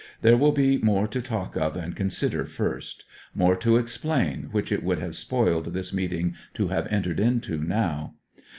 'There will be more to talk of and consider first more to explain, which it would have spoiled this meeting to have entered into now.'